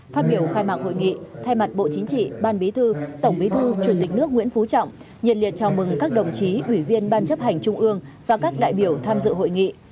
phát biểu khai mạc hội nghị thay mặt bộ chính trị ban bí thư tổng bí thư chủ tịch nước nguyễn phú trọng nhiệt liệt chào mừng các đồng chí ủy viên ban chấp hành trung ương và các đại biểu tham dự hội nghị